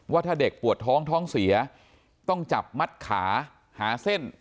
ว่าถ้าเด็กปวดท้องท้องเสียต้องจับมัดขาหาเส้น